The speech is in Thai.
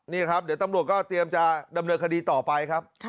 นี่ครับเดี๋ยวตำรวจก็เตรียมจะดำเนินคดีต่อไปครับ